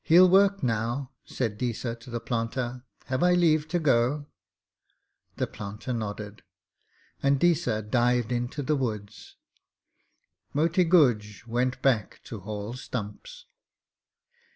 'He'll work now,' said Deesa to the planter. 'Have I leave to go?' The planter nodded, and Deesa dived into the woods. Moti Guj went back to haul stumps.